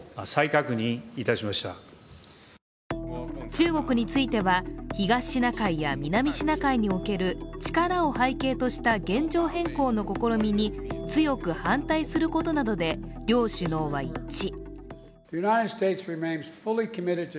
中国については東シナ海や南シナ海における力を背景とした現状変更の試みに強く反対することなどで両首脳は一致。